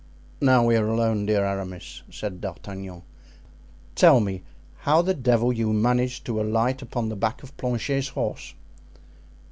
"Now we are alone, dear Aramis," said D'Artagnan, "tell me how the devil you managed to alight upon the back of Planchet's horse."